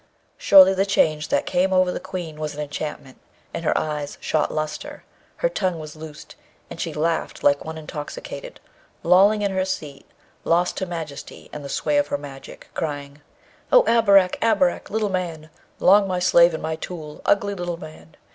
Surely, the change that came over the Queen was an enchantment, and her eyes shot lustre, her tongue was loosed, and she laughed like one intoxicated, lolling in her seat, lost to majesty and the sway of her magic, crying, 'O Abarak! Abarak! little man, long my slave and my tool; ugly little man!